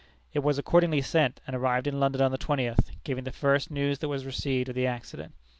It was accordingly sent, and arrived in London on the twentieth, giving the first news that was received of the accident.